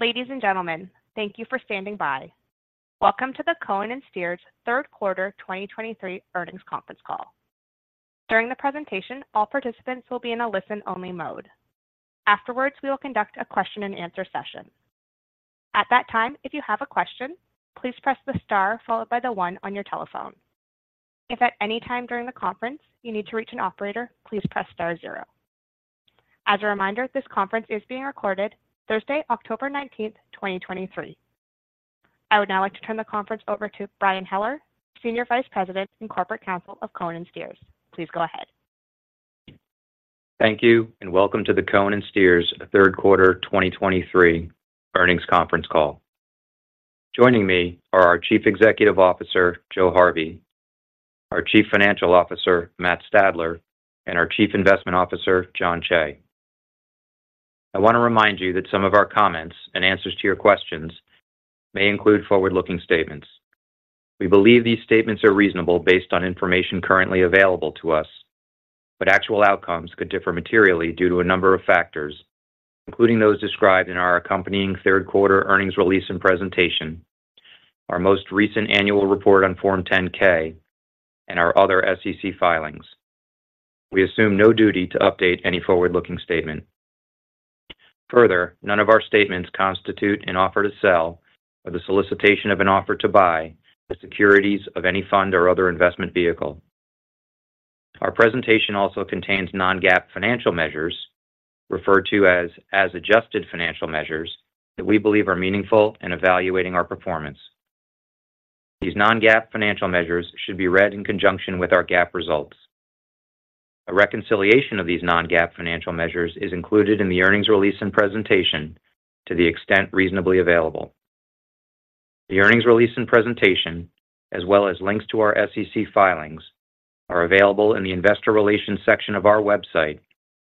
Ladies and gentlemen, thank you for standing by. Welcome to the Cohen & Steers Third Quarter 2023 Earnings Conference Call. During the presentation, all participants will be in a listen-only mode. Afterwards, we will conduct a question-and-answer session. At that time, if you have a question, please press the star followed by the one on your telephone. If at any time during the conference you need to reach an operator, please press star zero. As a reminder, this conference is being recorded Thursday, October 19, 2023. I would now like to turn the conference over to Brian Heller, Senior Vice President and Corporate Counsel of Cohen & Steers. Please go ahead. Thank you, and welcome to the Cohen & Steers Third Quarter 2023 Earnings Conference Call. Joining me are our Chief Executive Officer, Joe Harvey, our Chief Financial Officer, Matt Stadler, and our Chief Investment Officer, Jon Cheigh. I want to remind you that some of our comments and answers to your questions may include forward-looking statements. We believe these statements are reasonable based on information currently available to us, but actual outcomes could differ materially due to a number of factors, including those described in our accompanying third quarter earnings release and presentation, our most recent annual report on Form 10-K and our other SEC filings. We assume no duty to update any forward-looking statement. Further, none of our statements constitute an offer to sell or the solicitation of an offer to buy the securities of any fund or other investment vehicle. Our presentation also contains non-GAAP financial measures, referred to as adjusted financial measures that we believe are meaningful in evaluating our performance. These non-GAAP financial measures should be read in conjunction with our GAAP results. A reconciliation of these non-GAAP financial measures is included in the earnings release and presentation to the extent reasonably available. The earnings release and presentation, as well as links to our SEC filings, are available in the Investor Relations section of our website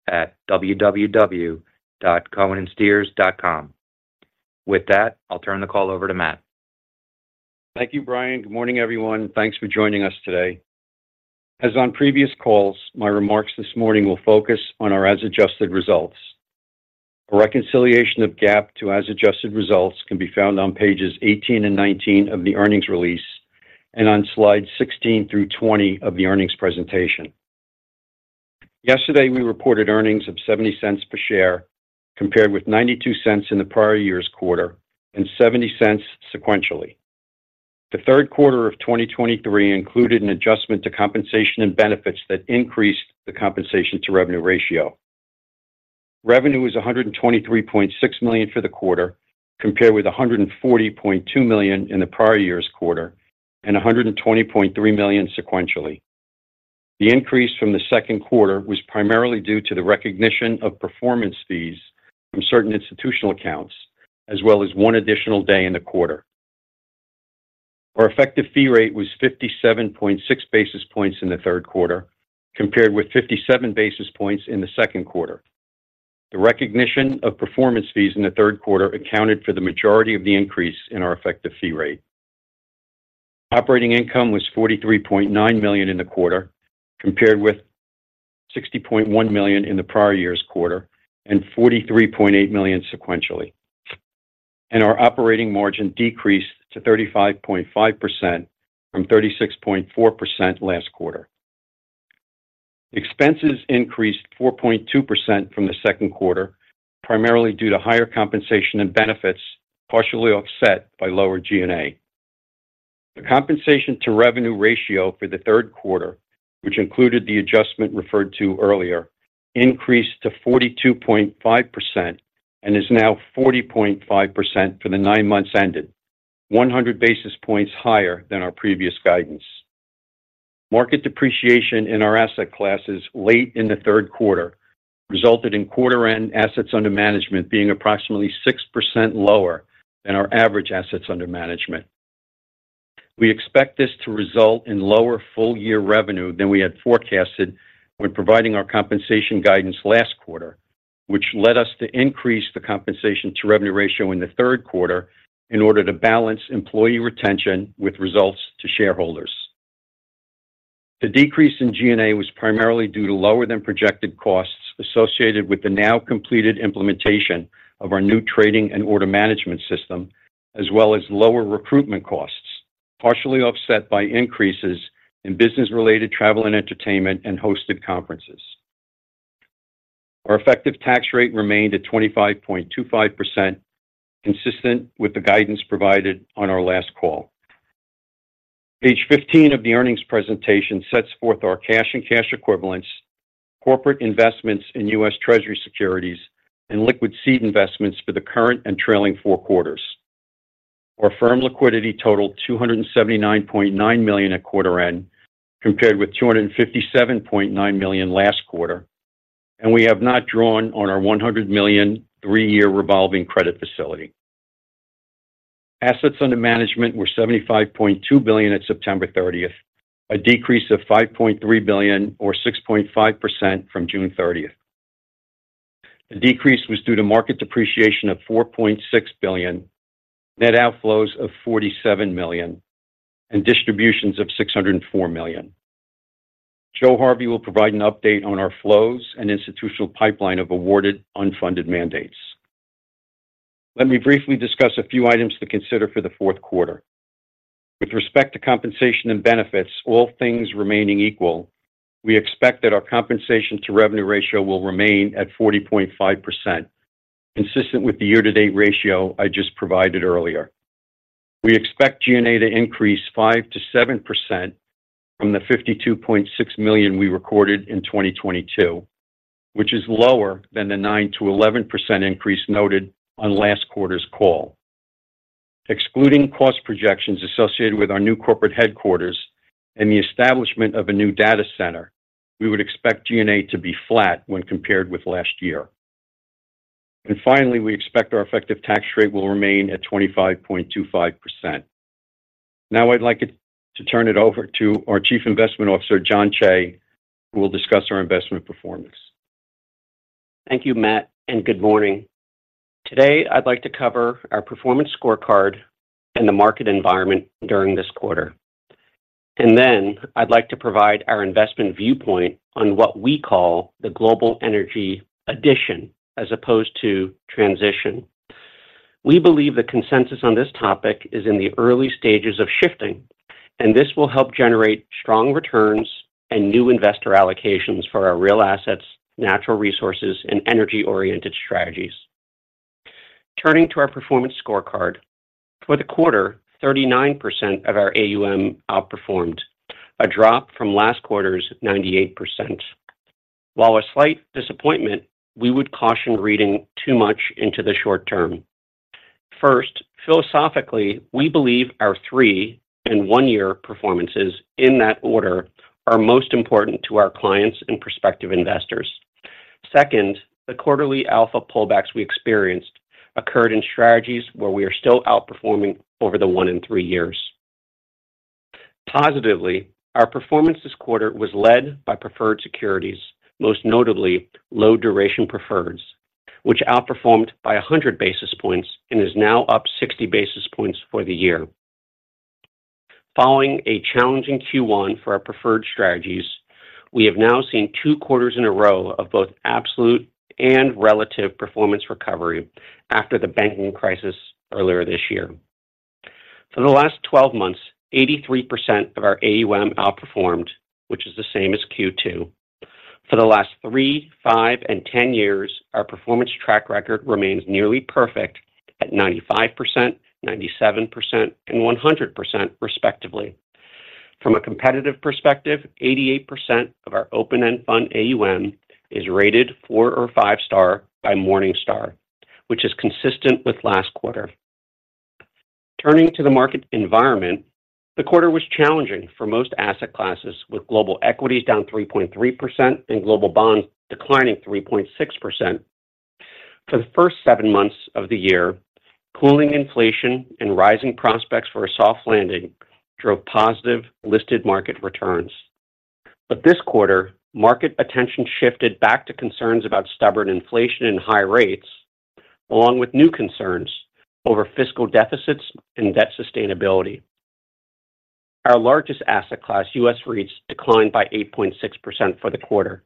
at www.cohenandsteers.com. With that, I'll turn the call over to Matt. Thank you, Brian. Good morning, everyone. Thanks for joining us today. As on previous calls, my remarks this morning will focus on our as adjusted results. A reconciliation of GAAP to as adjusted results can be found on pages 18 and 19 of the earnings release and on slides 16 through 20 of the earnings presentation. Yesterday, we reported earnings of $0.70 per share, compared with $0.92 in the prior year's quarter and $0.70 sequentially. The third quarter of 2023 included an adjustment to compensation and benefits that increased the compensation-to-revenue ratio. Revenue was $123.6 million for the quarter, compared with $140.2 million in the prior year's quarter and $120.3 million sequentially. The increase from the second quarter was primarily due to the recognition of performance fees from certain institutional accounts, as well as one additional day in the quarter. Our effective fee rate was 57.6 basis points in the third quarter, compared with 57 basis points in the second quarter. The recognition of performance fees in the third quarter accounted for the majority of the increase in our effective fee rate. Operating income was $43.9 million in the quarter, compared with $60.1 million in the prior year's quarter and $43.8 million sequentially, and our operating margin decreased to 35.5% from 36.4% last quarter. Expenses increased 4.2% from the second quarter, primarily due to higher compensation and benefits, partially offset by lower G&A. The compensation-to-revenue ratio for the third quarter, which included the adjustment referred to earlier, increased to 42.5% and is now 40.5% for the nine months ended, 100 basis points higher than our previous guidance. Market depreciation in our asset classes late in the third quarter resulted in quarter end assets under management being approximately 6% lower than our average assets under management. We expect this to result in lower full year revenue than we had forecasted when providing our compensation guidance last quarter, which led us to increase the compensation-to-revenue ratio in the third quarter in order to balance employee retention with results to shareholders. The decrease in G&A was primarily due to lower than projected costs associated with the now completed implementation of our new trading and order management system, as well as lower recruitment costs, partially offset by increases in business-related travel and entertainment and hosted conferences. Our effective tax rate remained at 25.25%, consistent with the guidance provided on our last call. Page 15 of the earnings presentation sets forth our cash and cash equivalents, corporate investments in US Treasury securities, and liquid seed investments for the current and trailing four quarters. Our firm liquidity totaled $279.9 million at quarter end, compared with $257.9 million last quarter, and we have not drawn on our $100 million three year revolving credit facility. Assets under management were $75.2 billion at September 30th, a decrease of $5.3 billion, o r 6.5%, from June 30th. The decrease was due to market depreciation of $4.6 billion, net outflows of $47 million, and distributions of $604 million.... Joe Harvey will provide an update on our flows and institutional pipeline of awarded unfunded mandates. Let me briefly discuss a few items to consider for the fourth quarter. With respect to compensation and benefits, all things remaining equal, we expect that our compensation to revenue ratio will remain at 40.5%, consistent with the year-to-date ratio I just provided earlier. We expect G&A to increase 5%-7% from the $52.6 million we recorded in 2022, which is lower than the 9%-11% increase noted on last quarter's call. Excluding cost projections associated with our new corporate headquarters and the establishment of a new data center, we would expect G&A to be flat when compared with last year. Finally, we expect our effective tax rate will remain at 25.25%. Now, I'd like it to turn it over to our Chief Investment Officer, Jon Cheigh, who will discuss our investment performance. Thank you, Matt, and good morning. Today, I'd like to cover our performance score card and the market environment during this quarter. Then I'd like to provide our investment viewpoint on what we call the global energy addition, as opposed to transition. We believe the consensus on this topic is in the early stages of shifting, and this will help generate strong returns and new investor allocations for our real assets, natural resources, and energy-oriented strategies. Turning to our performance scorecard. For the quarter, 39% of our AUM outperformed, a drop from last quarter's 98%. While a slight disappointment, we would caution reading too much into the short term. First, philosophically, we believe our three and one-year performances, in that order, are most important to our clients and prospective investors. Second, the quarterly alpha pullbacks we experienced occurred in strategies where we are still outperforming over the one and t hree year. Positively, our performance this quarter was led by preferred securities, most notably low duration preferreds, which outperformed by 100 basis points and is now up 60 basis points for the year. Following a challenging Q1 for our preferred strategies, we have now seen 2 quarters in a row of both absolute and relative performance recovery after the banking crisis earlier this year. For the last 12 months, 83% of our AUM outperformed, which is the same as Q2. For the last three, five, and 10 years, our performance track record remains nearly perfect at 95%, 97%, and 100%, respectively. From a competitive perspective, 88% of our open-end fund AUM is rated four or five-star by Morningstar, which is consistent with last quarter. Turning to the market environment, the quarter was challenging for most asset classes, with global equities down 3.3% and global bonds declining 3.6%. For the first seven months of the year, cooling inflation and rising prospects for a soft landing drove positive listed market returns. But this quarter, market attention shifted back to concerns about stubborn inflation and high rates, along with new concerns over fiscal deficits and debt sustainability. Our largest asset class, U.S. REITs, declined by 8.6% for the quarter,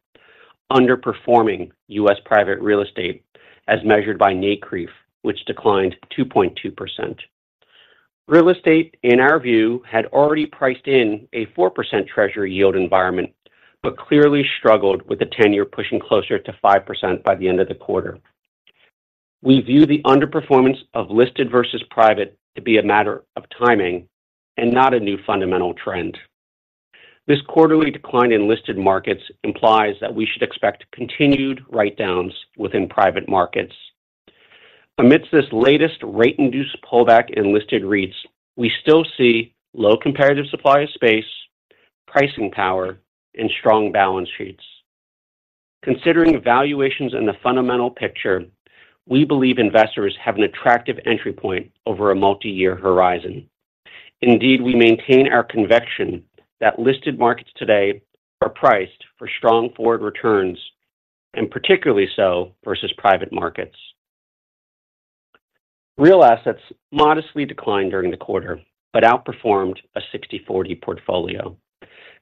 underperforming U.S. private real estate as measured by NCREIF, which declined 2.2%. Real estate, in our view, had already priced in a 4% Treasury yield environment, but clearly struggled with the 10-year pushing closer to 5% by the end of the quarter. We view the underperformance of listed versus private to be a matter of timing and not a new fundamental trend. This quarterly decline in listed markets implies that we should expect continued write-downs within private markets. Amidst this latest rate-induced pullback in listed REITs, we still see low comparative supply of space, pricing power, and strong balance sheets. Considering valuations and the fundamental picture, we believe investors have an attractive entry point over a multi-year horizon. Indeed, we maintain our conviction that listed markets today are priced for strong forward returns, and particularly so versus private markets. Real assets modestly declined during the quarter, but outperformed a 60/40 portfolio.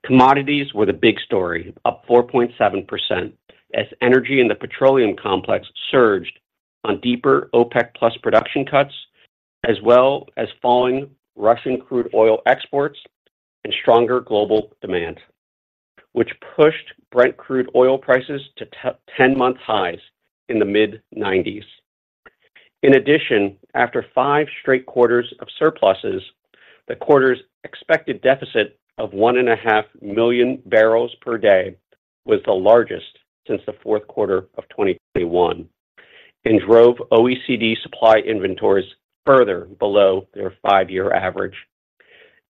Commodities were the big story, up 4.7%, as energy in the petroleum complex surged on deeper OPEC Plus production cuts, as well as falling Russian crude oil exports and stronger global demand, which pushed Brent crude oil prices to ten-month highs in the mid-90s. In addition, after five straight quarters of surpluses, the quarter's expected deficit of 1.5 million barrels per day was the largest since the fourth quarter of 2021 and drove OECD supply inventories further below their five-year average.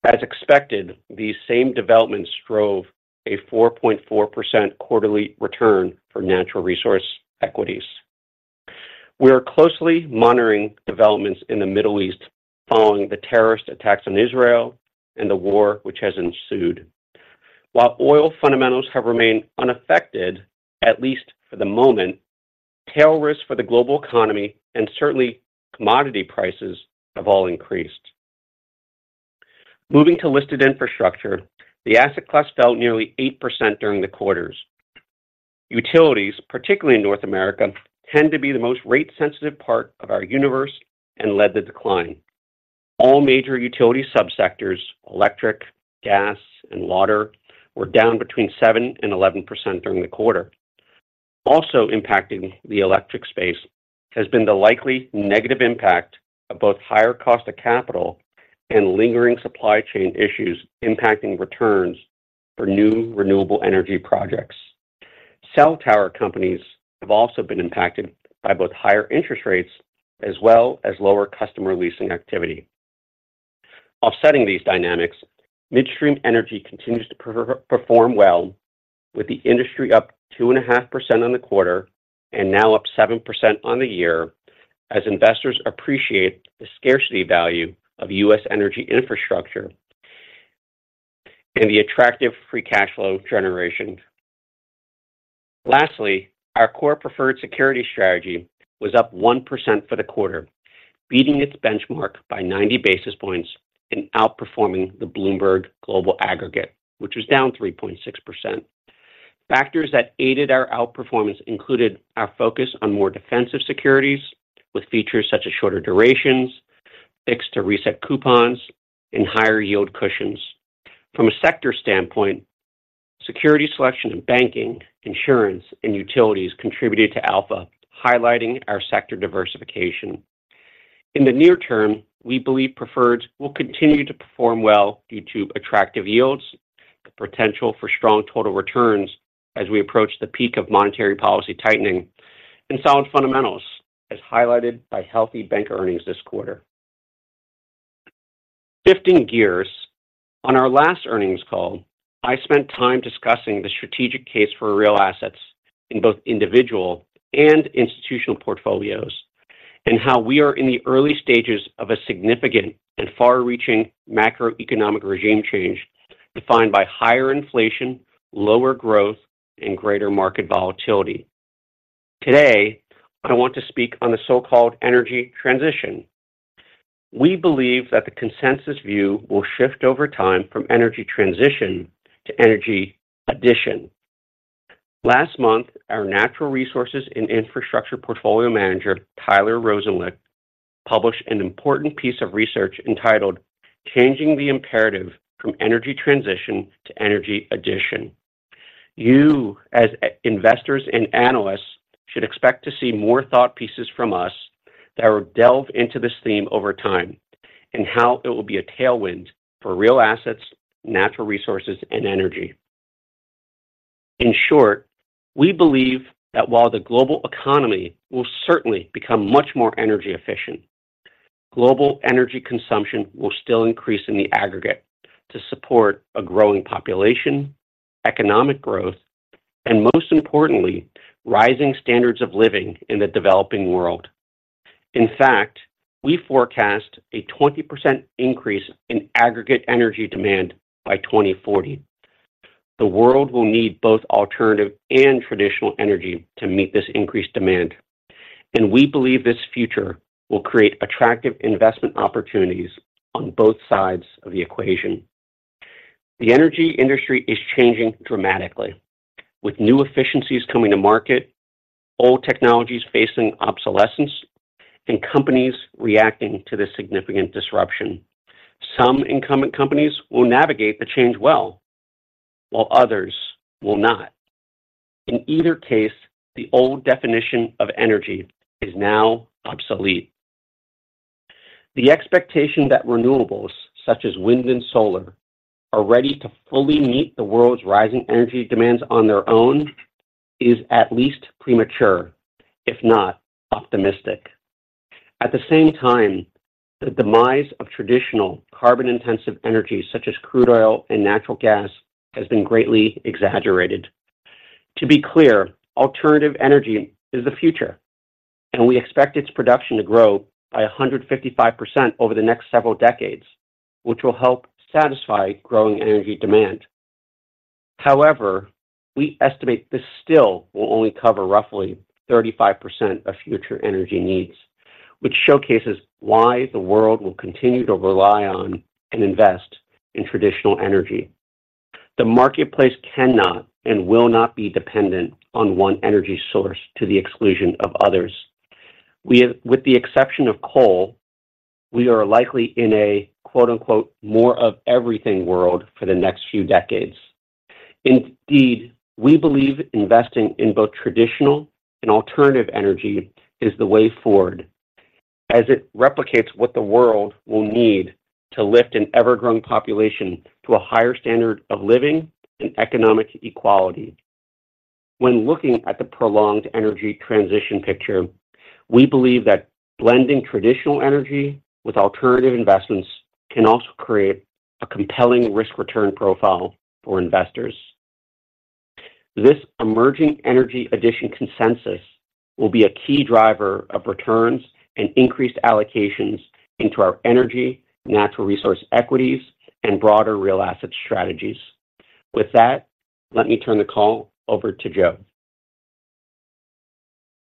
As expected, these same developments drove a 4.4% quarterly return for natural resource equities. We are closely monitoring developments in the Middle East following the terrorist attacks on Israel and the war which has ensued. While oil fundamentals have remained unaffected, at least for the moment, tail risks for the global economy and certainly commodity prices have all increased. Moving to listed infrastructure, the asset class fell nearly 8% during the quarters. Utilities, particularly in North America, tend to be the most rate-sensitive part of our universe and led the decline. All major utility subsectors, electric, gas, and water, were down between 7% and 11% during the quarter. Also impacting the electric space has been the likely negative impact of both higher cost of capital and lingering supply chain issues impacting returns for new renewable energy projects. Cell tower companies have also been impacted by both higher interest rates as well as lower customer leasing activity. Offsetting these dynamics, midstream energy continues to perform well, with the industry up 2.5% on the quarter and now up 7% on the year, as investors appreciate the scarcity value of U.S. energy infrastructure and the attractive free cash flow generation. Lastly, our core preferred security strategy was up 1% for the quarter, beating its benchmark by 90 basis points and outperforming the Bloomberg Global Aggregate, which was down 3.6%. Factors that aided our outperformance included our focus on more defensive securities, with features such as shorter durations, fixed to reset coupons, and higher yield cushions. From a sector standpoint, security selection in banking, insurance, and utilities contributed to alpha, highlighting our sector diversification. In the near term, we believe preferred will continue to perform well due to attractive yields, the potential for strong total returns as we approach the peak of monetary policy tightening, and sound fundamentals, as highlighted by healthy bank earnings this quarter. Shifting gears, on our last earnings call, I spent time discussing the strategic case for real assets in both individual and institutional portfolios, and how we are in the early stages of a significant and far-reaching macroeconomic regime change, defined by higher inflation, lower growth, and greater market volatility. Today, I want to speak on the so-called energy transition. We believe that the consensus view will shift over time from energy transition to energy addition. Last month, our natural resources and infrastructure portfolio manager, Tyler Rosenlicht, published an important piece of research entitled, "Changing the Imperative from Energy Transition to Energy Addition." You, as, investors and analysts, should expect to see more thought pieces from us that will delve into this theme over time and how it will be a tailwind for real assets, natural resources, and energy. In short, we believe that while the global economy will certainly become much more energy efficient, global energy consumption will still increase in the aggregate to support a growing population, economic growth, and most importantly, rising standards of living in the developing world. In fact, we forecast a 20% increase in aggregate energy demand by 2040. The world will need both alternative and traditional energy to meet this increased demand, and we believe this future will create attractive investment opportunities on both sides of the equation. The energy industry is changing dramatically, with new efficiencies coming to market, old technologies facing obsolescence, and companies reacting to this significant disruption. Some incumbent companies will navigate the change well, while others will not. In either case, the old definition of energy is now obsolete. The expectation that renewables, such as wind and solar, are ready to fully meet the world's rising energy demands on their own is at least premature, if not optimistic. At the same time, the demise of traditional carbon-intensive energy, such as crude oil and natural gas, has been greatly exaggerated. To be clear, alternative energy is the future, and we expect its production to grow by 155% over the next several decades, which will help satisfy growing energy demand. However, we estimate this still will only cover roughly 35% of future energy needs, which showcases why the world will continue to rely on and invest in traditional energy. The marketplace cannot and will not be dependent on one energy source to the exclusion of others. With the exception of coal, we are likely in a, quote, unquote, "more of everything world" for the next few decades. Indeed, we believe investing in both traditional and alternative energy is the way forward, as it replicates what the world will need to lift an ever-growing population to a higher standard of living and economic equality. When looking at the prolonged energy transition picture, we believe that blending traditional energy with alternative investments can also create a compelling risk-return profile for investors. This emerging energy addition consensus will be a key driver of returns and increased allocations into our energy, natural resource equities, and broader real asset strategies. With that, let me turn the call over to Joe....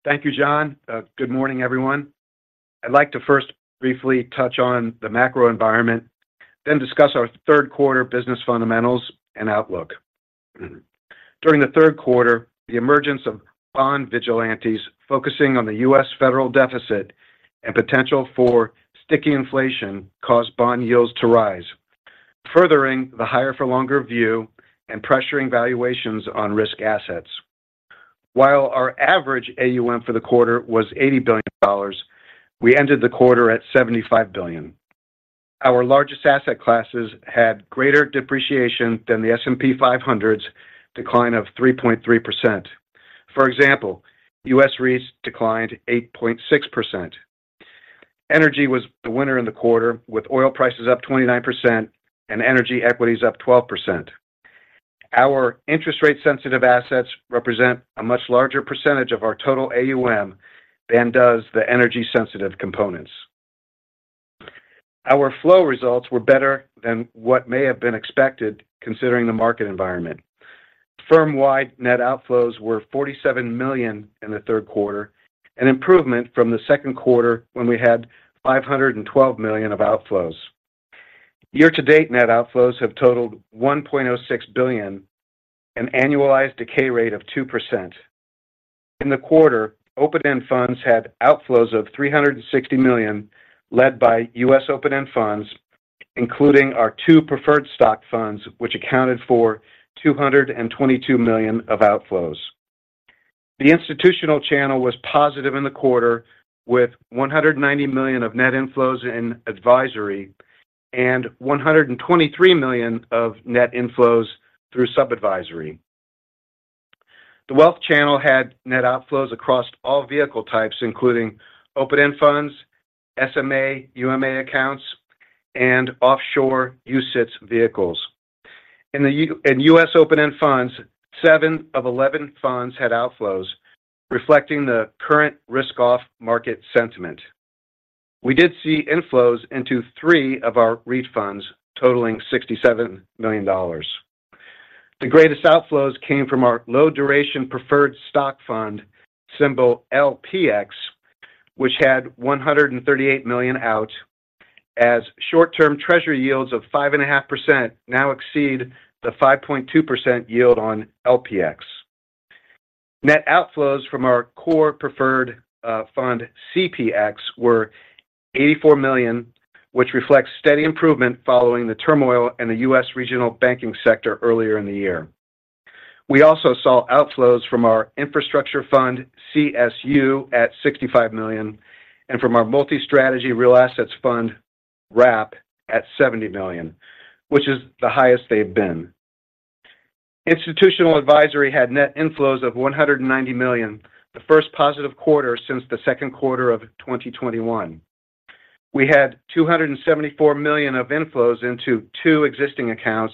Thank you, Jon. Good morning, everyone. I'd like to first briefly touch on the macro environment, then discuss our third quarter business fundamentals and outlook. During the third quarter, the emergence of bond vigilantes focusing on the U.S. federal deficit and potential for sticky inflation caused bond yields to rise, furthering the higher for longer view and pressuring valuations on risk assets. While our average AUM for the quarter was $80 billion, we ended the quarter at $75 billion. Our largest asset classes had greater depreciation than the S&P 500's decline of 3.3%. For example, US REITs declined 8.6%. Energy was the winner in the quarter, with oil prices up 29% and energy equities up 12%. Our interest rate-sensitive assets represent a much larger percentage of our total AUM than does the energy-sensitive components. Our flow results were better than what may have been expected, considering the market environment. Firm-wide net outflows were $47 million in the third quarter, an improvement from the second quarter, when we had $512 million of outflows. Year-to-date net outflows have totaled $1.06 billion, an annualized decay rate of 2%. In the quarter, open-end funds had outflows of $360 million, led by U.S. open-end funds, including our two preferred stock funds, which accounted for $222 million of outflows. The institutional channel was positive in the quarter, with $190 million of net inflows in advisory and $123 million of net inflows through sub-advisory. The wealth channel had net outflows across all vehicle types, including open-end funds, SMA, UMA accounts, and offshore UCITS vehicles. In the U.S. open-end funds, seven of 11 funds had outflows, reflecting the current risk-off market sentiment. We did see inflows into three of our REIT funds, totaling $67 million. The greatest outflows came from our low-duration preferred stock fund, symbol LPX, which had $138 million out, as short-term Treasury yields of 5.5% now exceed the 5.2% yield on LPX. Net outflows from our core preferred fund, CPX, were $84 million, which reflects steady improvement following the turmoil in the U.S. regional banking sector earlier in the year. We also saw outflows from our infrastructure fund, CSU, at $65 million, and from our multi-strategy real assets fund, RAP, at $70 million, which is the highest they've been. Institutional advisory had net inflows of $190 million, the first positive quarter since the second quarter of 2021. We had $274 million of inflows into two existing accounts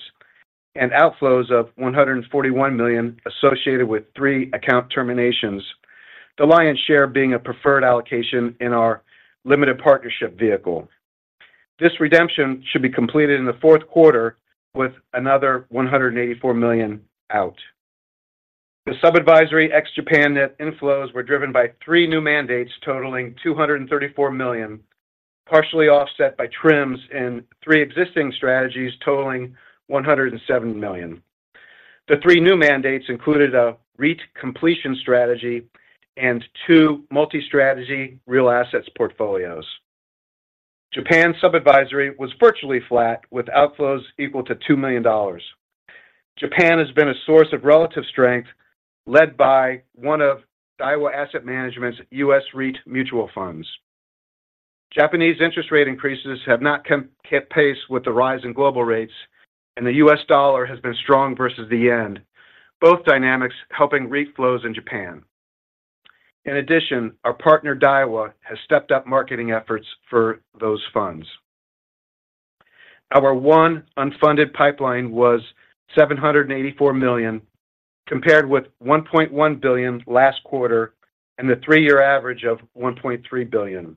and outflows of $141 million associated with three account terminations. The lion's share being a preferred allocation in our limited partnership vehicle. This redemption should be completed in the fourth quarter with another $184 million out. The sub-advisory ex-Japan net inflows were driven by three new mandates, totaling $234 million, partially offset by trims in three existing strategies, totaling $107 million. The three new mandates included a REIT completion strategy and two multi-strategy real assets portfolios. Japan sub-advisory was virtually flat, with outflows equal to $2 million. Japan has been a source of relative strength, led by one of Daiwa Asset Management's U.S. REIT mutual funds. Japanese interest rate increases have not kept pace with the rise in global rates, and the U.S. dollar has been strong versus the Yen. Both dynamics helping REIT flows in Japan. In addition, our partner, Daiwa, has stepped up marketing efforts for those funds. Our one unfunded pipeline was $784 million, compared with $1.1 billion last quarter, and the three-year average of $1.3 billion.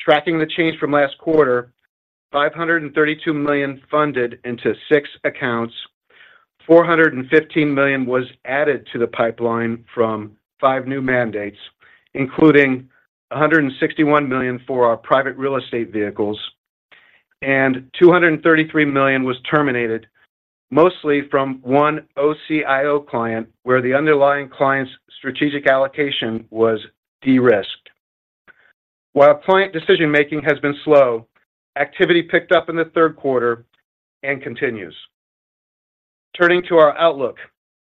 Tracking the change from last quarter, $532 million funded into six accounts. $415 million was added to the pipeline from five new mandates, including $161 million for our private real estate vehicles, and $233 million was terminated, mostly from one OCIO client, where the underlying client's strategic allocation was derisked. While client decision-making has been slow, activity picked up in the third quarter and continues. Turning to our outlook,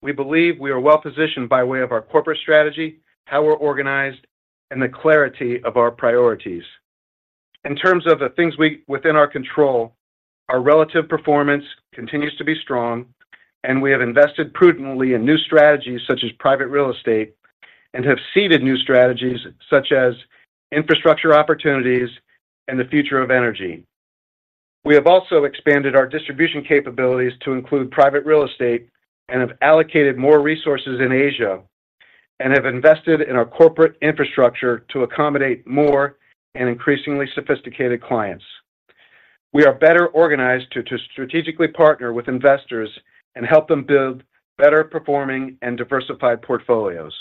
we believe we are well-positioned by way of our corporate strategy, how we're organized, and the clarity of our priorities. In terms of the things within our control, our relative performance continues to be strong, and we have invested prudently in new strategies such as private real estate, and have seeded new strategies such as Infrastructure Opportunities and the Future of Energy. We have also expanded our distribution capabilities to include private real estate and have allocated more resources in Asia, and have invested in our corporate infrastructure to accommodate more and increasingly sophisticated clients. We are better organized to strategically partner with investors and help them build better-performing and diversified portfolios.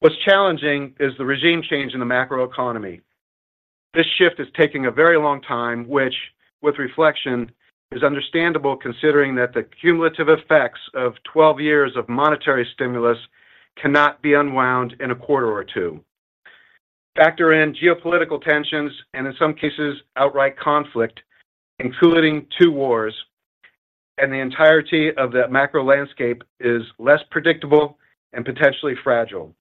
What's challenging is the regime change in the macroeconomy. This shift is taking a very long time, which, with reflection, is understandable, considering that the cumulative effects of 12 years of monetary stimulus cannot be unwound in a quarter or two. Factor in geopolitical tensions, and in some cases, outright conflict, including two wars, and the entirety of that macro landscape is less predictable and potentially fragile.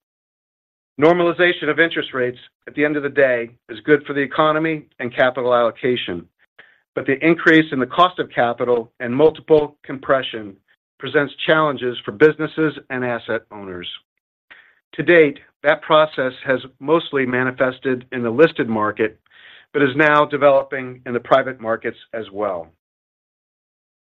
Normalization of interest rates, at the end of the day, is good for the economy and capital allocation, but the increase in the cost of capital and multiple compression presents challenges for businesses and asset owners. To date, that process has mostly manifested in the listed market, but is now developing in the private markets as well.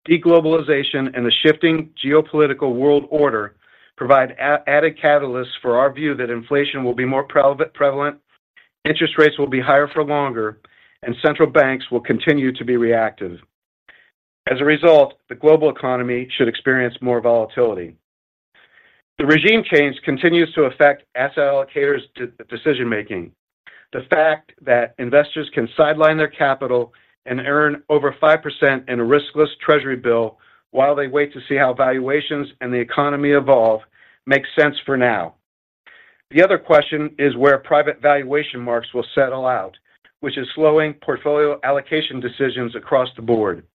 Deglobalization and the shifting geopolitical world order provide added catalysts for our view that inflation will be more prevalent, interest rates will be higher for longer, and central banks will continue to be reactive. As a result, the global economy should experience more volatility. The regime change continues to affect asset allocators decision-making. The fact that investors can sideline their capital and earn over 5% in a riskless Treasury bill while they wait to see how valuations and the economy evolve, makes sense for now. The other question is where private valuation marks will settle out, which is slowing portfolio allocation decisions across the board.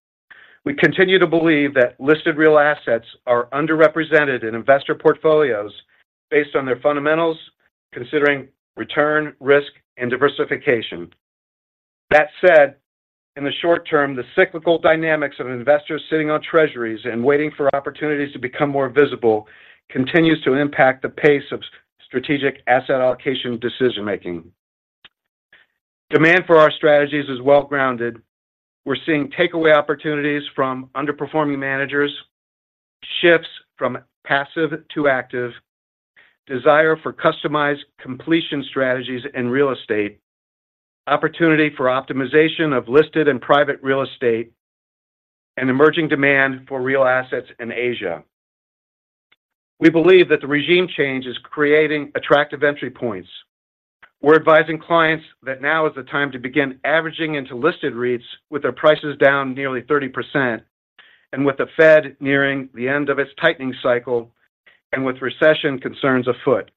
We continue to believe that listed real assets are underrepresented in investor portfolios based on their fundamentals, considering return, risk, and diversification. That said, in the short term, the cyclical dynamics of investors sitting on Treasuries and waiting for opportunities to become more visible continues to impact the pace of strategic asset allocation decision-making. Demand for our strategies is well-grounded. We're seeing takeaway opportunities from underperforming managers, shifts from passive to active, desire for customized completion strategies in real estate, opportunity for optimization of listed and private real estate, and emerging demand for real assets in Asia. We believe that the regime change is creating attractive entry points. We're advising clients that now is the time to begin averaging into listed REITs, with their prices down nearly 30%, and with the Fed nearing the end of its tightening cycle, and with recession concerns afoot.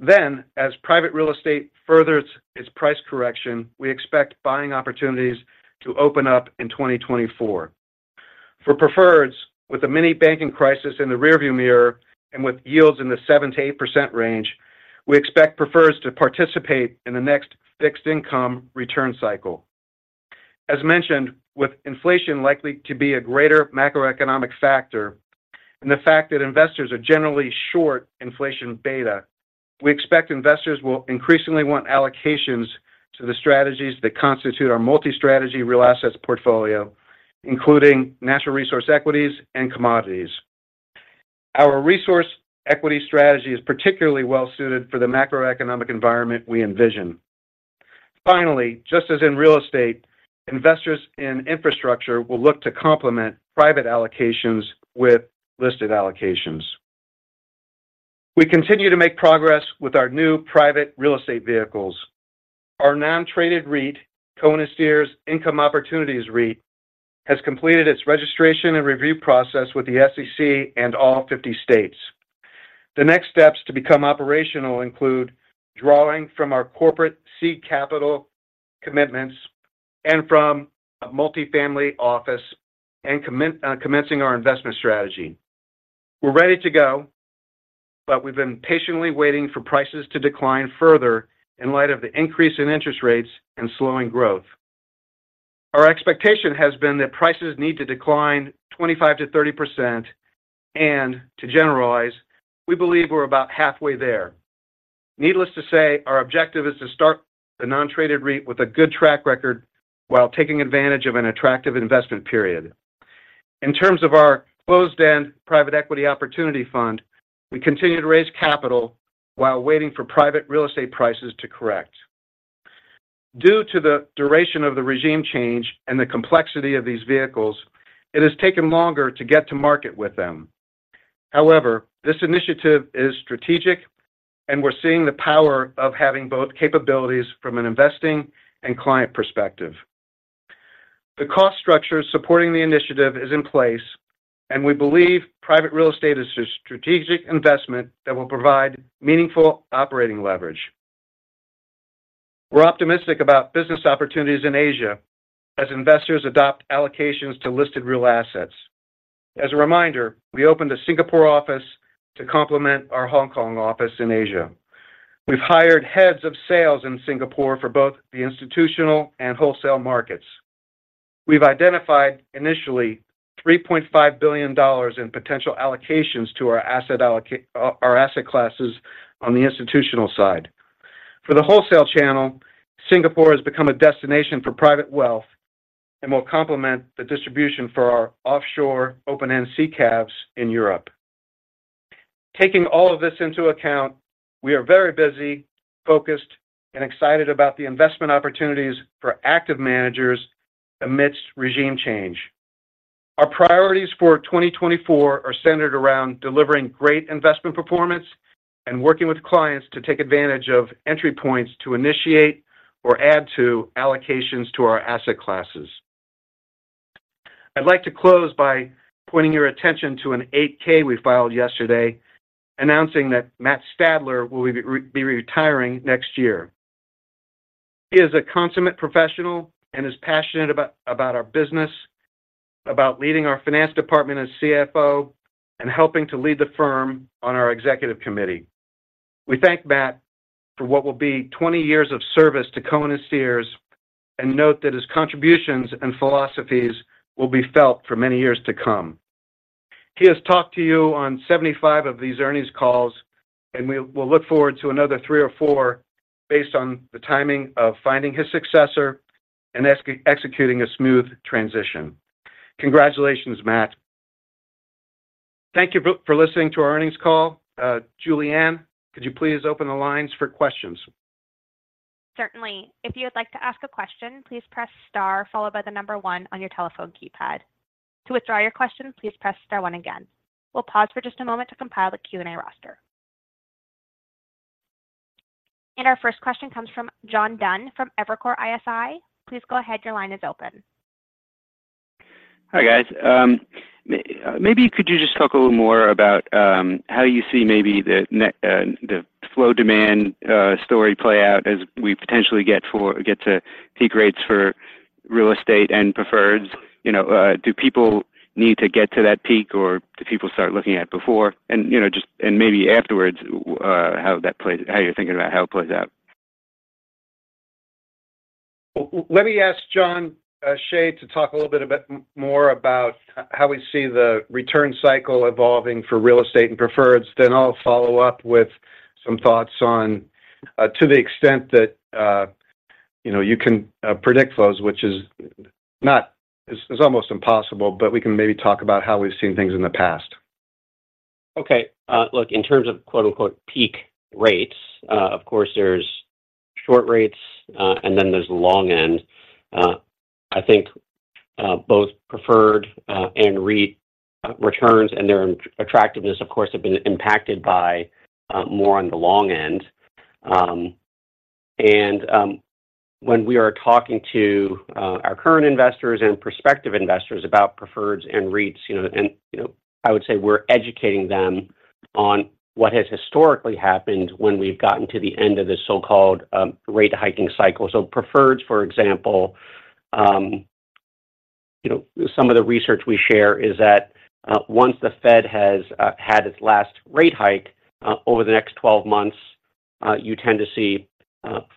Then, as private real estate furthers its price correction, we expect buying opportunities to open up in 2024. For preferreds, with the mini banking crisis in the rearview mirror and with yields in the 7%-8% range, we expect preferreds to participate in the next fixed-income return cycle. As mentioned, with inflation likely to be a greater macroeconomic factor and the fact that investors are generally short inflation beta, we expect investors will increasingly want allocations to the strategies that constitute our multi-strategy real assets portfolio, including natural resource equities and commodities. Our resource equity strategy is particularly well-suited for the macroeconomic environment we envision. Finally, just as in real estate, investors in infrastructure will look to complement private allocations with listed allocations. We continue to make progress with our new private real estate vehicles. Our non-traded REIT, Cohen & Steers Income Opportunities REIT, has completed its registration and review process with the SEC and all 50 states. The next steps to become operational include drawing from our corporate seed capital commitments and from a multifamily office and commencing our investment strategy. We're ready to go, but we've been patiently waiting for prices to decline further in light of the increase in interest rates and slowing growth. Our expectation has been that prices need to decline 25%-30%, and to generalize, we believe we're about halfway there. Needless to say, our objective is to start the non-traded REIT with a good track record while taking advantage of an attractive investment period. In terms of our closed-end private equity opportunity fund, we continue to raise capital while waiting for private real estate prices to correct. Due to the duration of the regime change and the complexity of these vehicles, it has taken longer to get to market with them. However, this initiative is strategic, and we're seeing the power of having both capabilities from an investing and client perspective. The cost structure supporting the initiative is in place, and we believe private real estate is a strategic investment that will provide meaningful operating leverage. We're optimistic about business opportunities in Asia as investors adopt allocations to listed real assets. As a reminder, we opened a Singapore office to complement our Hong Kong office in Asia. We've hired heads of sales in Singapore for both the institutional and wholesale markets. We've identified initially $3.5 billion in potential allocations to our asset classes on the institutional side. For the wholesale channel, Singapore has become a destination for private wealth and will complement the distribution for our offshore open-end CCAPs in Europe. Taking all of this into account, we are very busy, focused, and excited about the investment opportunities for active managers amidst regime change. Our priorities for 2024 are centered around delivering great investment performance and working with clients to take advantage of entry points to initiate or add to allocations to our asset classes. I'd like to close by pointing your attention to an 8-K we filed yesterday, announcing that Matt Stadler will be retiring next year. He is a consummate professional and is passionate about, about our business, about leading our finance department as CFO, and helping to lead the firm on our executive committee. We thank Matt for what will be 20 years of service to Cohen & Steers, and note that his contributions and philosophies will be felt for many years to come. He has talked to you on 75 of these earnings calls, and we will look forward to another three or four, based on the timing of finding his successor and executing a smooth transition. Congratulations, Matt. Thank you for, for listening to our earnings call. Julianne, could you please open the lines for questions? Certainly. If you would like to ask a question, please press star followed by the number one on your telephone keypad. To withdraw your question, please press star one again. We'll pause for just a moment to compile the Q&A roster. Our first question comes from John Dunn from Evercore ISI. Please go ahead. Your line is open. Hi, guys. Maybe could you just talk a little more about how you see maybe the net flow demand story play out as we potentially get to peak rates for real estate and preferreds? You know, do people need to get to that peak, or do people start looking at it before? And, you know, just, and maybe afterwards how that plays, how you're thinking about how it plays out. Well, let me ask Jon Cheigh to talk a little bit about more about how we see the return cycle evolving for real estate and preferreds. Then I'll follow up with some thoughts on, to the extent that, you know, you can predict flows, which is almost impossible, but we can maybe talk about how we've seen things in the past. Okay, look, in terms of quote-unquote, peak rates, of course, there's short rates, and then there's long end. I think, both preferred and REIT returns and their attractiveness, of course, have been impacted by, more on the long end. And, when we are talking to, our current investors and prospective investors about preferreds and REITs, you know, and, you know, I would say we're educating them on what has historically happened when we've gotten to the end of this so-called, rate hiking cycle. So preferreds, for example, you know, some of the research we share is that, once the Fed has, had its last rate hike, over the next 12 months, you tend to see,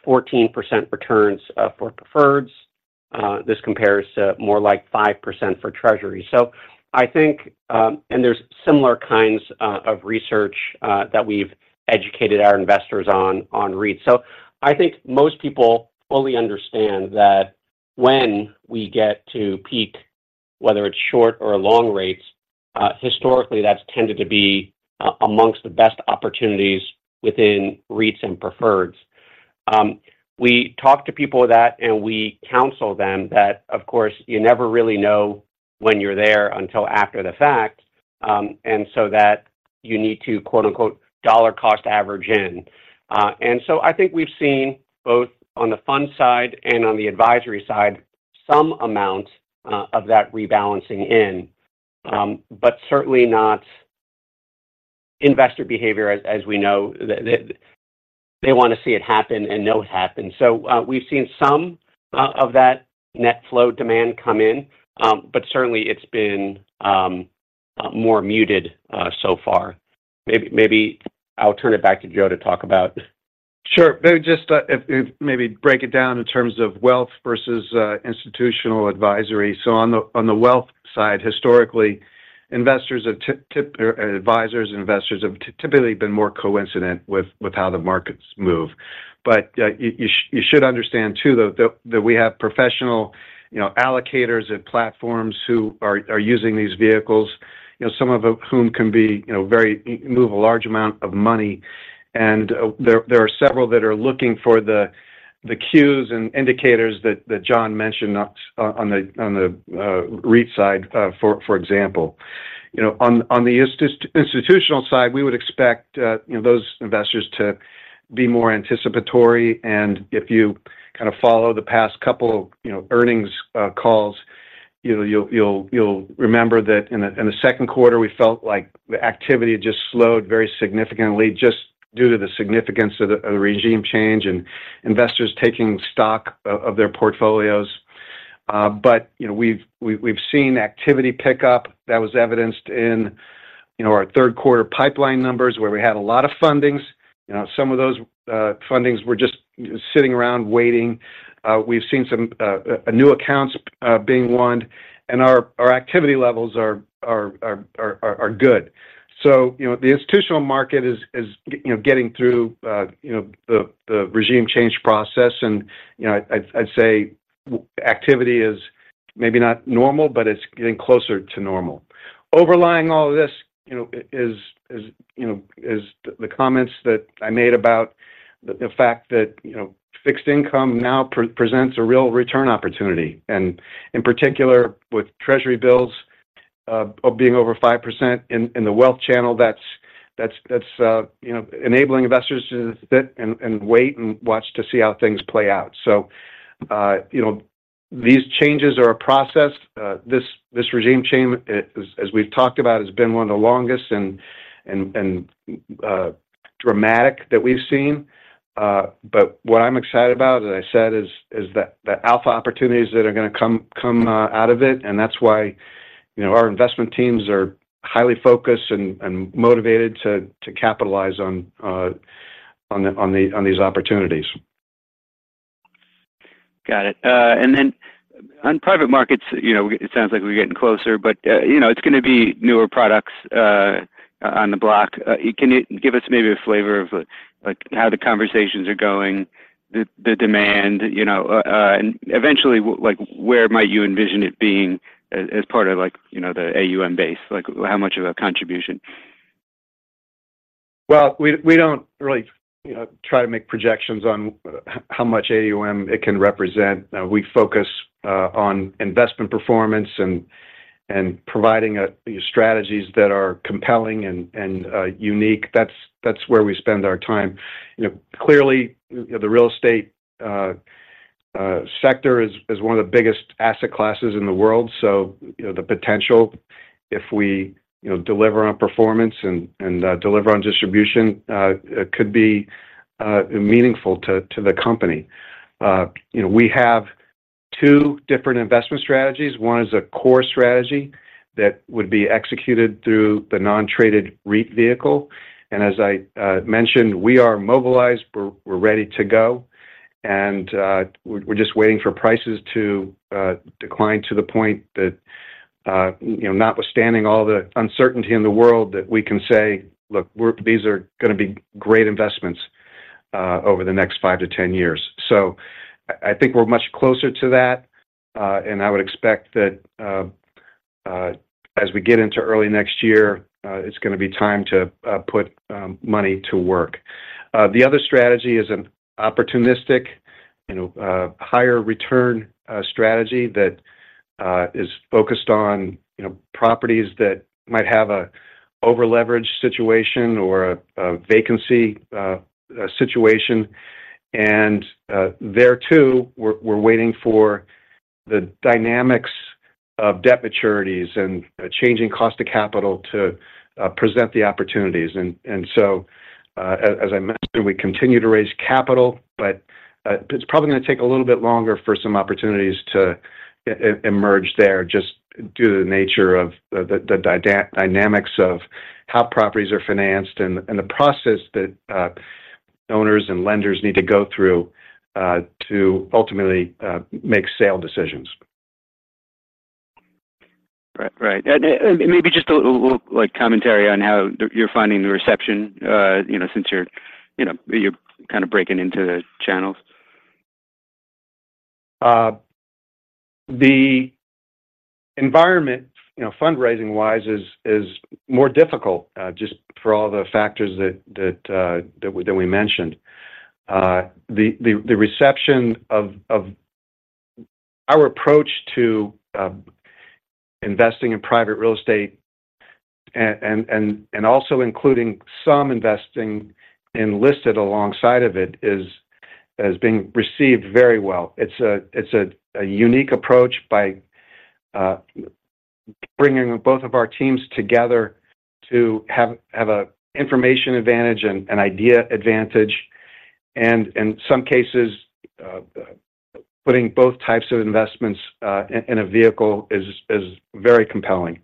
14% returns, for preferreds. This compares to more like 5% for Treasury. So I think, and there's similar kinds of research that we've educated our investors on, on REITs. So I think most people fully understand that when we get to peak, whether it's short or long rates, historically, that's tended to be amongst the best opportunities within REITs and preferreds. We talk to people that, and we counsel them that, of course, you never really know when you're there until after the fact, and so that you need to, quote-unquote, dollar cost average in. And so I think we've seen both on the fund side and on the advisory side, some amount of that rebalancing in, but certainly not investor behavior as we know. They want to see it happen and know it happened. We've seen some of that net flow demand come in, but certainly, it's been more muted so far. Maybe I'll turn it back to Joe to talk about. Sure. Maybe just break it down in terms of wealth versus institutional advisory. So on the wealth side, historically, investors and advisors have typically been more coincident with how the markets move. But you should understand, too, that we have professional, you know, allocators and platforms who are using these vehicles, you know, some of whom can be, you know, very move a large amount of money, and there are several that are looking for the cues and indicators that Jon mentioned, not on the REIT side, for example. You know, on the institutional side, we would expect, you know, those investors to be more anticipatory. And if you kind of follow the past couple, you know, earnings calls, you know, you'll remember that in the second quarter, we felt like the activity just slowed very significantly, just due to the significance of the regime change and investors taking stock of their portfolios. But, you know, we've seen activity pick up that was evidenced in, you know, our third quarter pipeline numbers, where we had a lot of fundings. You know, some of those fundings were just sitting around waiting. We've seen some new accounts being won, and our activity levels are good. So, you know, the institutional market is, you know, getting through, you know, the regime change process. And, you know, I'd say activity is... Maybe not normal, but it's getting closer to normal. Overlaying all of this, you know, is the comments that I made about the fact that, you know, fixed income now presents a real return opportunity. And in particular, with treasury bills of being over 5% in the wealth channel, that's enabling investors to sit and wait and watch to see how things play out. So, you know, these changes are a process. This regime change, as we've talked about, has been one of the longest and dramatic that we've seen. But what I'm excited about, as I said, is the alpha opportunities that are gonna come out of it, and that's why, you know, our investment teams are highly focused and motivated to capitalize on these opportunities. Got it. And then on private markets, you know, it sounds like we're getting closer, but, you know, it's gonna be newer products on the block. Can you give us maybe a flavor of, like, how the conversations are going, the demand, you know, and eventually, like, where might you envision it being as, as part of like, you know, the AUM base? Like, how much of a contribution? Well, we don't really try to make projections on how much AUM it can represent. We focus on investment performance and providing strategies that are compelling and unique. That's where we spend our time. You know, clearly, you know, the real estate sector is one of the biggest asset classes in the world. So, you know, the potential, if we, you know, deliver on performance and deliver on distribution, it could be meaningful to the company. You know, we have two different investment strategies. One is a core strategy that would be executed through the Non-traded REIT vehicle, and as I mentioned, we are mobilized, we're ready to go, and we're just waiting for prices to decline to the point that, you know, notwithstanding all the uncertainty in the world, that we can say, "Look, these are gonna be great investments over the next five to 10 years." So I think we're much closer to that, and I would expect that as we get into early next year, it's gonna be time to put money to work. The other strategy is an opportunistic, you know, higher return strategy that is focused on, you know, properties that might have a over-leveraged situation or a vacancy situation. There too, we're waiting for the dynamics of debt maturities and a changing cost of capital to present the opportunities. And so, as I mentioned, we continue to raise capital, but it's probably gonna take a little bit longer for some opportunities to emerge there, just due to the nature of the dynamics of how properties are financed and the process that owners and lenders need to go through to ultimately make sale decisions. Right. And maybe just a little, like, commentary on how you're finding the reception, you know, since you're, you know, you're kind of breaking into the channels. The environment, you know, fundraising-wise, is more difficult just for all the factors that we mentioned. The reception of our approach to investing in private real estate and also including some investing in listed alongside of it has been received very well. It's a unique approach by bringing both of our teams together to have a information advantage and an idea advantage, and in some cases, putting both types of investments in a vehicle is very compelling.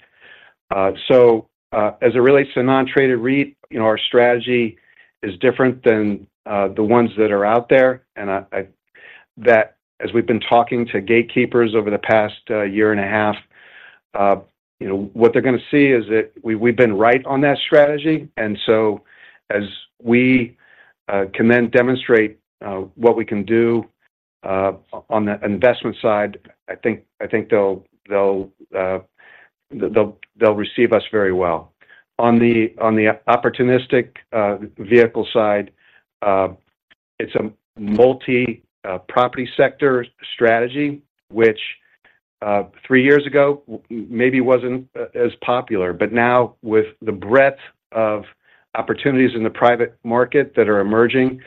So, as it relates to non-traded REIT, you know, our strategy is different than the ones that are out there. That as we've been talking to gatekeepers over the past year and a half, you know, what they're gonna see is that we've been right on that strategy. And so as we can then demonstrate what we can do on the investment side, I think they'll receive us very well. On the opportunistic vehicle side, it's a multi property sector strategy, which three years ago maybe wasn't as popular, but now with the breadth of opportunities in the private market that are emerging,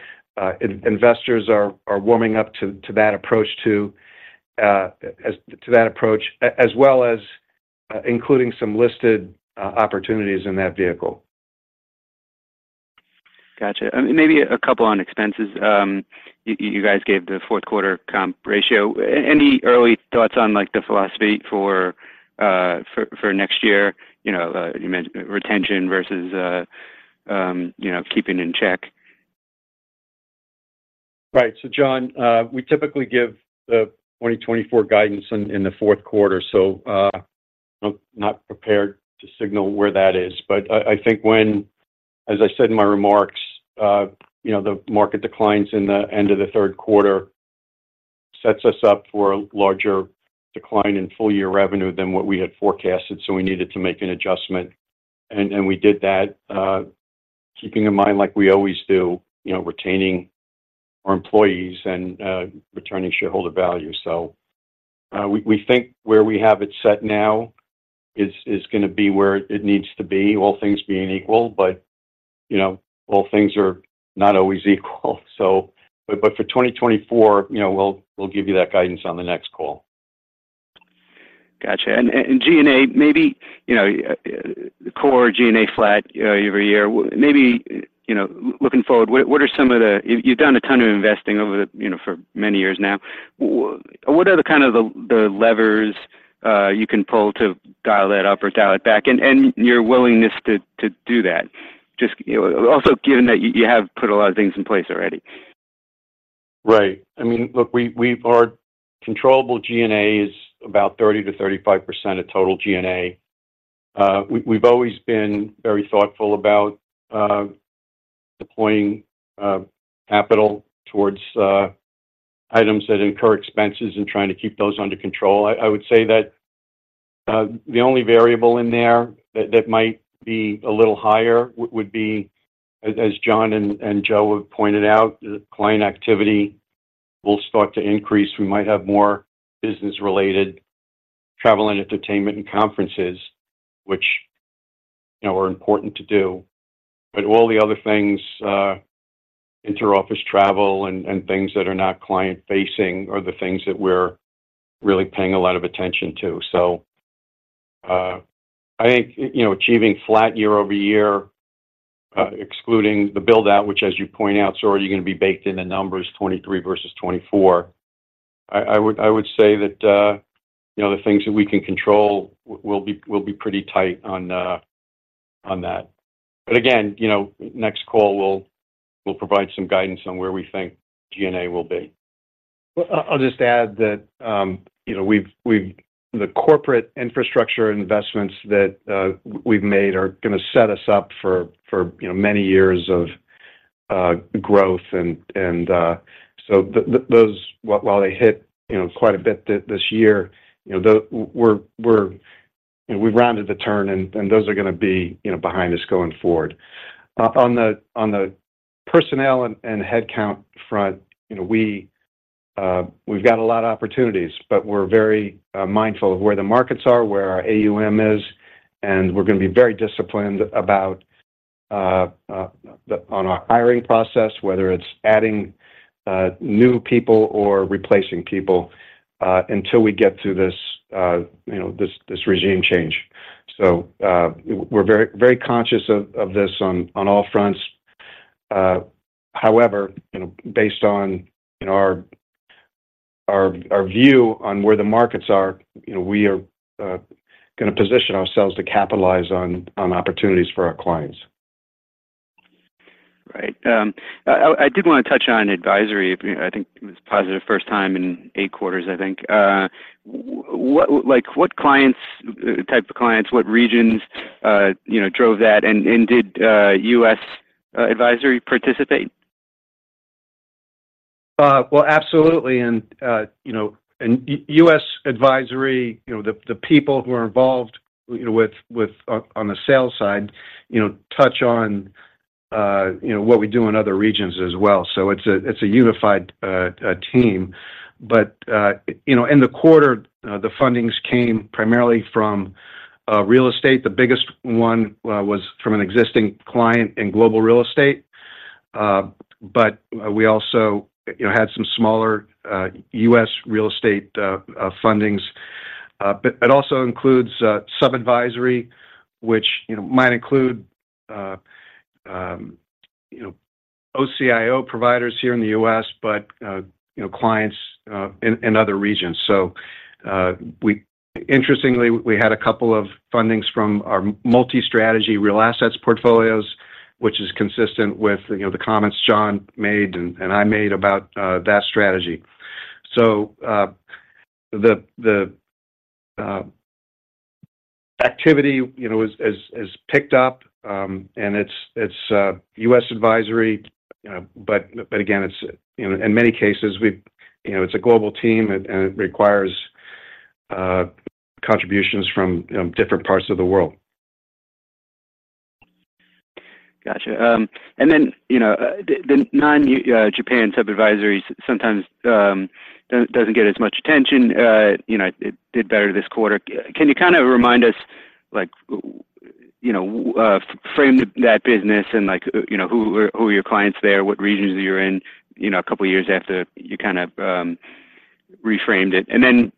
investors are warming up to that approach too, as to that approach, as well as including some listed opportunities in that vehicle. Gotcha. Maybe a couple on expenses. You guys gave the fourth quarter comp ratio. Any early thoughts on, like, the philosophy for next year? You know, you mentioned retention versus keeping in check. Right. So, John, we typically give the 2024 guidance in the fourth quarter, so, I'm not prepared to signal where that is. But I think when, ...As I said in my remarks, you know, the market declines in the end of the Q3 sets us up for a larger decline in full year revenue than what we had forecasted, so we needed to make an adjustment. And we did that, keeping in mind, like we always do, you know, retaining our employees and returning shareholder value. So, we think where we have it set now is gonna be where it needs to be, all things being equal. But, you know, all things are not always equal, so—but for 2024, you know, we'll give you that guidance on the next call. Gotcha. And, and G&A, maybe, you know, core G&A flat year over year. Maybe, you know, looking forward, what are some of the... You've done a ton of investing over the, you know, for many years now. What are the kind of the, the levers, you can pull to dial that up or dial it back, and, and your willingness to, to do that? Just, you know, also given that you have put a lot of things in place already. Right. I mean, look, we've— our controllable G&A is about 30%-35% of total G&A. We've always been very thoughtful about deploying capital towards items that incur expenses and trying to keep those under control. I would say that the only variable in there that might be a little higher would be, as Jon and Joe have pointed out, the client activity will start to increase. We might have more business-related travel and entertainment and conferences which, you know, are important to do. But all the other things, interoffice travel and things that are not client-facing, are the things that we're really paying a lot of attention to. So, I think, you know, achieving flat year-over-year, excluding the build-out, which, as you point out, it's already gonna be baked in the numbers, 2023 versus 2024. I would say that, you know, the things that we can control will be pretty tight on, on that. But again, you know, next call, we'll provide some guidance on where we think G&A will be. Well, I'll just add that, you know, the corporate infrastructure investments that we've made are gonna set us up for, for, you know, many years of growth. And so those, while they hit, you know, quite a bit this year, you know, we've rounded the turn, and those are gonna be, you know, behind us going forward. On the personnel and headcount front, you know, we've got a lot of opportunities, but we're very mindful of where the markets are, where our AUM is, and we're gonna be very disciplined about the on our hiring process, whether it's adding new people or replacing people until we get through this, you know, this regime change. So, we're very, very conscious of this on all fronts. However, you know, based on, you know, our view on where the markets are, you know, we are gonna position ourselves to capitalize on opportunities for our clients. Right. I did wanna touch on advisory. I think it was a positive first time in eight quarters, I think. What, like, what clients, type of clients, what regions, you know, drove that? And did U.S. advisory participate? Well, absolutely. And you know, U.S. advisory, you know, the people who are involved, you know, with on the sales side, you know, touch on you know what we do in other regions as well. So it's a unified team. But you know, in the quarter, the fundings came primarily from real estate. The biggest one was from an existing client in global real estate. But we also you know had some smaller U.S. real estate fundings. But it also includes sub-advisory, which you know might include you know OCIO providers here in the U.S., but you know clients in other regions. So, interestingly, we had a couple of fundings from our multi-strategy real assets portfolios, which is consistent with, you know, the comments Jon made, and I made about that strategy. So, the activity, you know, has picked up, and it's U.S. advisory, but again, it's, you know, in many cases we've, you know, it's a global team, and it requires contributions from different parts of the world. Gotcha. And then, you know, the non-Japan sub-advisory sometimes doesn't get as much attention. You know, it did better this quarter. Can you kind of remind us, like, you know, frame that business and, like, you know, who are, who are your clients there, what regions you're in, you know, a couple of years after you kind of reframed it? And then,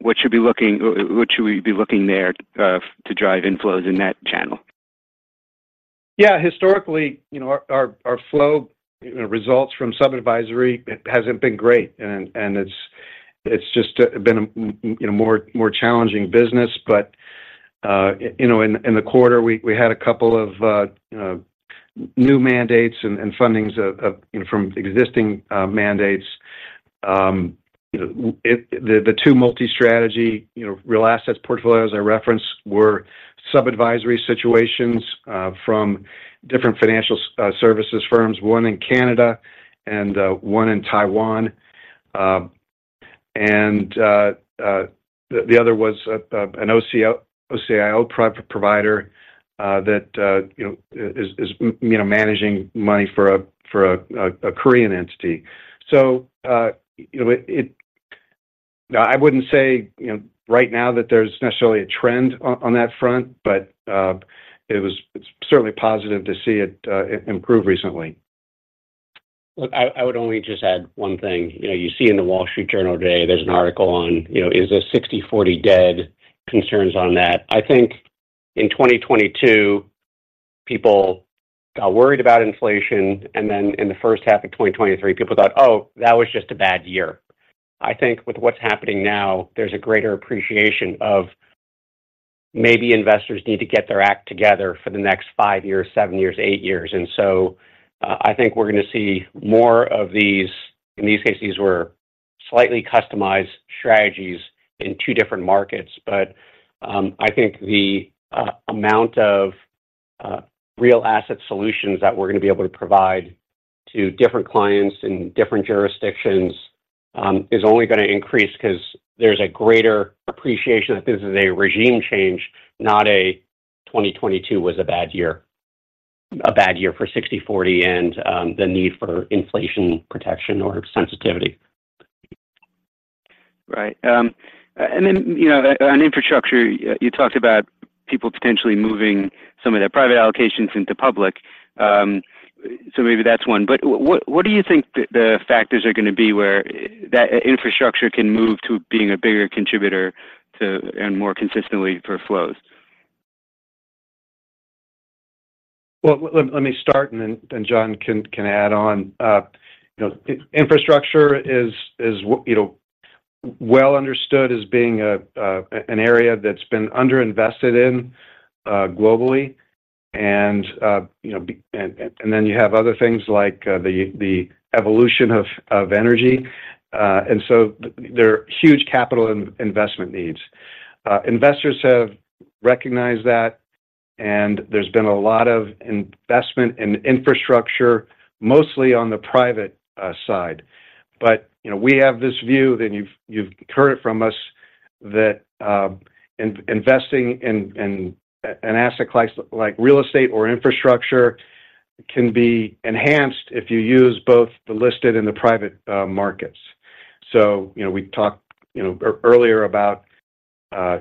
what should we be looking there to drive inflows in that channel? Yeah, historically, you know, our flow, you know, results from sub-advisory hasn't been great, and it's just been a, you know, more challenging business. But, you know, in the quarter, we had a couple of new mandates and fundings of, you know, from existing mandates. You know, the two multi-strategy, you know, real assets portfolios I referenced were sub-advisory situations from different financial services firms, one in Canada and one in Taiwan. And the other was an OCIO provider that, you know, is managing money for a Korean entity. So, you know, it... I wouldn't say, you know, right now that there's necessarily a trend on, on that front, but, it's certainly positive to see it, improve recently. Look, I would only just add one thing. You know, you see in the Wall Street Journal today, there's an article on, you know, is this 60/40 dead, concerns on that. I think in 2022, people got worried about inflation, and then in the first half of 2023, people thought, "Oh, that was just a bad year." I think with what's happening now, there's a greater appreciation of maybe investors need to get their act together for the next five years, seven years, eight years. And so, I think we're gonna see more of these... In these cases, were slightly customized strategies in two different markets. But, I think the amount of real asset solutions that we're gonna be able to provide to different clients in different jurisdictions is only gonna increase, 'cause there's a greater appreciation that this is a regime change, not a 2022 was a bad year - a bad year for 60/40, and the need for inflation protection or sensitivity. Right. And then, you know, on infrastructure, you talked about people potentially moving some of their private allocations into public. So maybe that's one, but what, what do you think the, the factors are gonna be where that infrastructure can move to being a bigger contributor to, and more consistently for flows? Well, let me start and then John can add on. You know, infrastructure is well understood as being an area that's been underinvested in globally, and then you have other things like the evolution of energy. And so there are huge capital investment needs. Investors have recognized that, and there's been a lot of investment in infrastructure, mostly on the private side. But you know, we have this view, and you've heard it from us, that investing in an asset class like real estate or infrastructure can be enhanced if you use both the listed and the private markets. So, you know, we talked, you know, earlier about,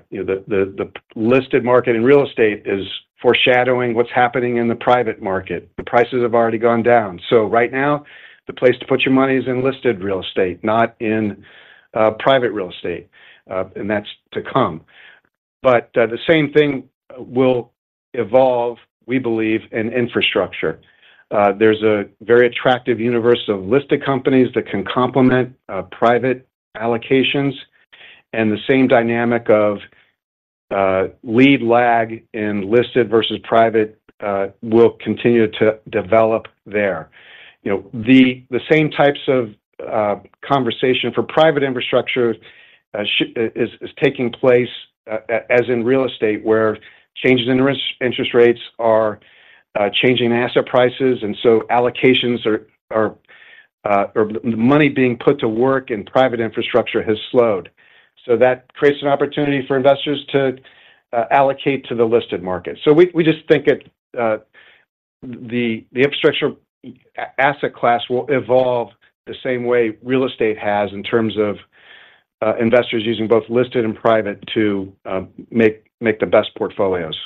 you know, the listed market in real estate is foreshadowing what's happening in the private market. The prices have already gone down. So right now, the place to put your money is in listed real estate, not in private real estate. And that's to come. But the same thing will evolve, we believe, in infrastructure. There's a very attractive universe of listed companies that can complement private allocations, and the same dynamic of lead lag in listed versus private will continue to develop there. You know, the same types of conversation for private infrastructure is taking place as in real estate, where changes in interest rates are changing asset prices, and so allocations or money being put to work in private infrastructure has slowed. So that creates an opportunity for investors to allocate to the listed market. So we just think the infrastructure asset class will evolve the same way real estate has in terms of investors using both listed and private to make the best portfolios.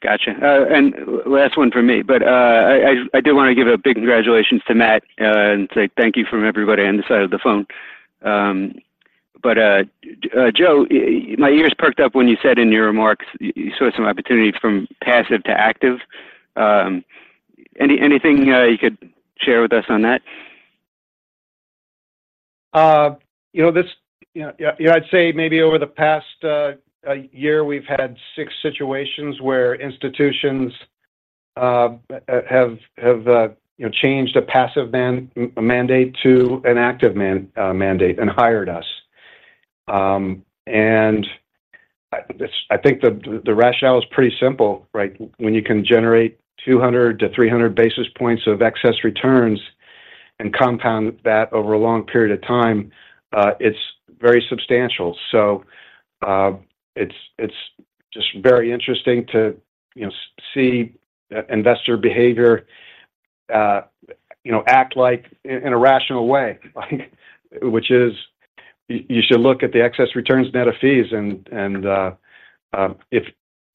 Gotcha. And last one from me, but I do wanna give a big congratulations to Matt and say thank you from everybody on this side of the phone. But Joe, my ears perked up when you said in your remarks you saw some opportunity from passive to active. Anything you could share with us on that? You know, I'd say maybe over the past year, we've had six situations where institutions have you know, changed a passive mandate to an active mandate and hired us. And I think the rationale is pretty simple, right? When you can generate 200-300 basis points of excess returns and compound that over a long period of time, it's very substantial. So, it's just very interesting to you know, see investor behavior you know, act like in a rational way, which is you should look at the excess returns net of fees. And if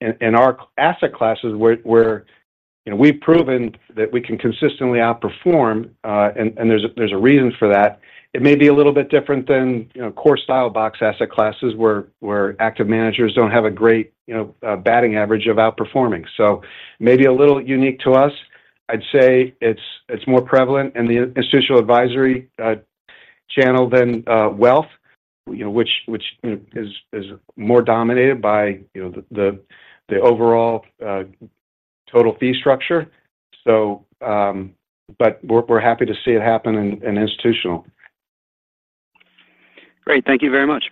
in our asset classes, where you know, we've proven that we can consistently outperform and there's a reason for that. It may be a little bit different than, you know, core style box asset classes, where active managers don't have a great, you know, batting average of outperforming. So maybe a little unique to us. I'd say it's more prevalent in the institutional advisory channel than wealth, you know, which is more dominated by, you know, the overall total fee structure. So, but we're happy to see it happen in institutional. Great. Thank you very much.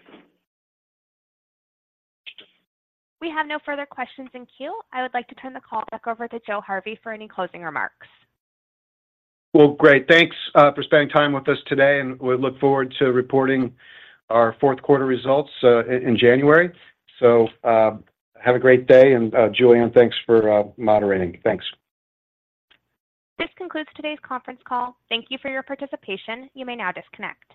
We have no further questions in queue. I would like to turn the call back over to Joe Harvey for any closing remarks. Well, great. Thanks for spending time with us today, and we look forward to reporting our fourth quarter results in January. So, have a great day, and Julianne, thanks for moderating. Thanks. This concludes today's conference call. Thank you for your participation. You may now disconnect.